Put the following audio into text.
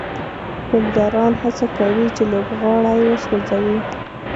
فېلډران هڅه کوي، چي لوبغاړی وسوځوي.